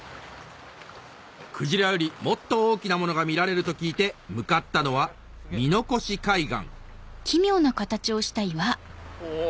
クジラよりもっと大きなものが見られると聞いて向かったのは見残し海岸おぉ